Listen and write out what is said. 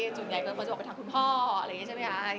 จุดใหญ่คนจะบอกไปทางคุณพ่ออะไรอย่างนี้ใช่ไหม